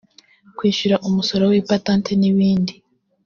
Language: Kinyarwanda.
kwishyura umusoro w’ipatante n’izindi